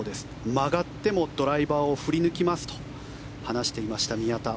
曲がってもドライバーを振り抜きますと話していました、宮田。